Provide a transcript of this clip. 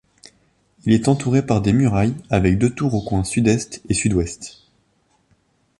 Il est entouré par des murailles avec deux tours aux coins sud-est et sud-ouest.